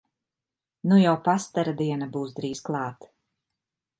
Nu jau pastara diena būs drīz klāt!